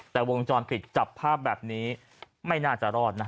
แต่วงจรปิดจับภาพแบบนี้ไม่น่าจะรอดนะ